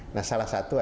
nah salah satunya